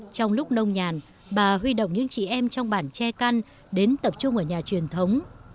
trong lúc nông nhàn bà huy động những chị em trong bản che căn đến tập trung ở nhà truyền thống